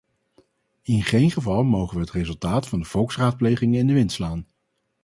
In geen geval mogen we het resultaat van de volksraadplegingen in de wind slaan.